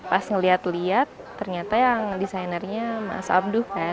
pas ngeliat lihat ternyata yang desainernya mas abduh kan